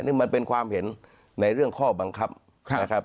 นี่มันเป็นความเห็นในเรื่องข้อบังคับนะครับ